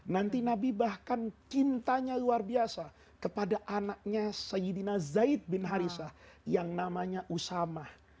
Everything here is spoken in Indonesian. nanti nabi bahkan cintanya luar biasa kepada anaknya sayyidina zaid bin harithah yang namanya usamah